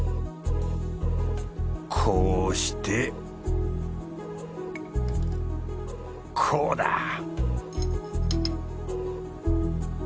こうしてこうだ！